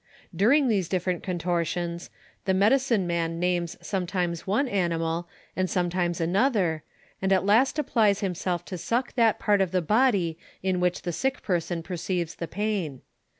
During these different contortions, tlie medioiuo nian names sometimes one animal, and sometimes anotlier, and at last applies himself to suck tliat part of tlie body in which the sick person perceives the pain.